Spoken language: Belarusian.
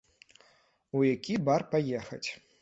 У які бар паехаць?